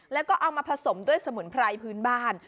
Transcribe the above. แล้วก็เอามาผสมด้วยสมุนไพรพื้นบ้าน